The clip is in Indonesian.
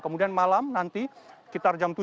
kemudian malam nanti sekitar jam dua belas